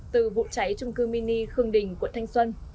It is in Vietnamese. từ vụ cháy trung cư mini khương đình quận thanh xuân